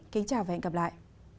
kính chào và hẹn gặp lại